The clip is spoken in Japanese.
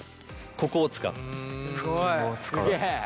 ここを使う。